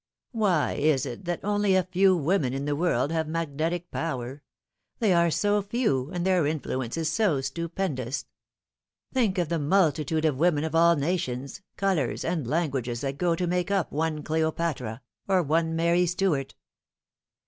\\ hy is it that only a few women in the world have magnetic power ? They are so few, and their influence is so stupendous. Think of the multitude of women of all nations, colours, and languages that go to make up one Cleopatra or one Mary Stuart."